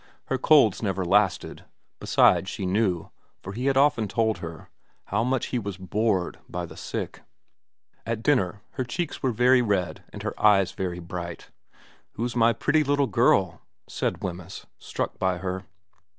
Her colds never lasted. Be sides she knew, for he had often told her, how much he was bored by the sick. At dinner her cheeks were very red and her eyes very bright. ' Who's my pretty little girl,' said Wemyss, struck by her.